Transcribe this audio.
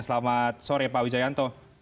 selamat sore pak wijayanto